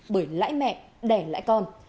bởi lãi mẹ đẻ lãi con